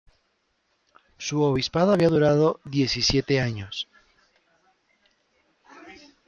Su obispado había durado diecisiete años.